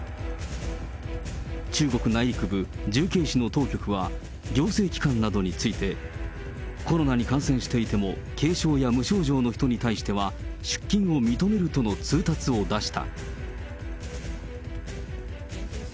中国内陸部、重慶市の当局は、行政機関などについて、コロナに感染していても軽症や無症状の人に対しては、出勤を認めるとの通達を出した。